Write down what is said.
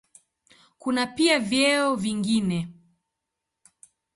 Kuna pia vyeo vingine.